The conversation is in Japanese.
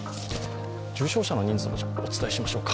重症者の人数もお伝えしましょうか。